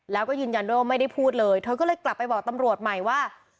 แล้วก็ยืนยันด้วยว่าไม่ได้พูดเลยเธอก็เลยกลับไปบอกตำรวจใหม่ว่า